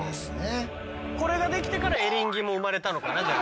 これができてからエリンギも生まれたのかなじゃあ。